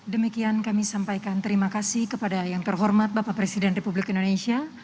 demikian kami sampaikan terima kasih kepada yang terhormat bapak presiden republik indonesia